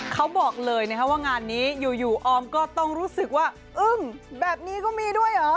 เขาบอกเลยนะครับว่างานนี้อยู่ออมก็ต้องรู้สึกว่าอึ้งแบบนี้ก็มีด้วยเหรอ